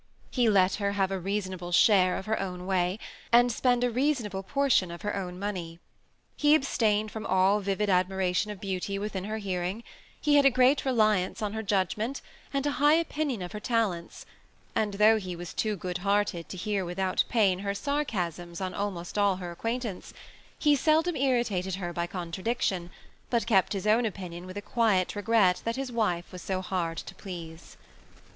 He let her have a reasonable share of her own way, and spend a reasonable portion of her own money ; he ab stained from all vivid admiration of beauty within her hearing ; he had a great reliance on her judgment, and a high opinion of her talents ; and though he was too THE SEMI ATTACHED COUPLE. 9 good hearted to hear without ' pain her sarcasms on almost all her acquaintance, he seldom irritated her bj contradiction, but kept his own opinion with a quiet regret that his wife was so hard to please.